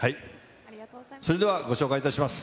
それではご紹介いたします。